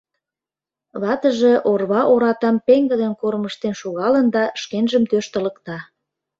Ватыже орва оратам пеҥгыдын кормыжтен шогалын да шкенжым тӧрштылыкта.